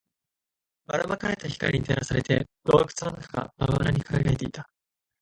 ばら撒かれた光に照らされて、洞窟の中がまばらに輝いていた